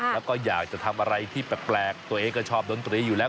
แล้วก็อยากจะทำอะไรที่แปลกตัวเองก็ชอบดนตรีอยู่แล้ว